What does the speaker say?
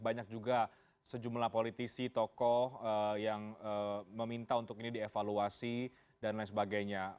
banyak juga sejumlah politisi tokoh yang meminta untuk ini dievaluasi dan lain sebagainya